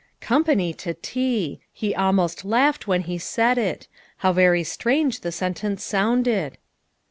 Company to tea ! He almost laughed when he said it. How very strange the sentence sounded.